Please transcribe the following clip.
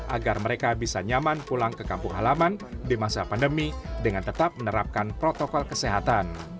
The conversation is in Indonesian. agar mereka bisa nyaman pulang ke kampung halaman di masa pandemi dengan tetap menerapkan protokol kesehatan